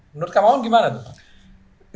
menurut kang mam gimana tuh